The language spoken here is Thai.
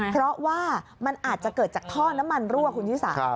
เพราะว่ามันอาจจะเกิดจากท่อน้ำมันรั่วคุณชิสา